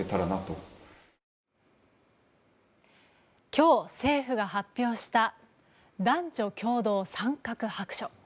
今日、政府が発表した男女共同参画白書。